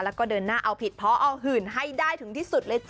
แล้วก็เดินหน้าเอาผิดพอเอาหื่นให้ได้ถึงที่สุดเลยจ้